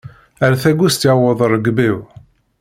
Ar tagust yewweḍ rrebg-iw.